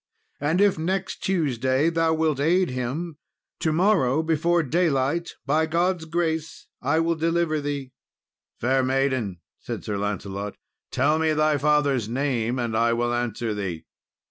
And if next Tuesday thou wilt aid him, to morrow, before daylight, by God's grace, I will deliver thee." "Fair maiden," said Sir Lancelot, "tell me thy father's name and I will answer thee."